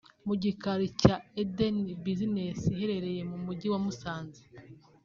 Mu gikari cya “Eden Busines” iherereye mu Mujyi wa Musanze